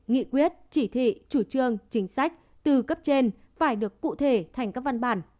nghị quyết chỉ thị chủ trương chính sách từ cấp trên phải được cụ thể thành các văn bản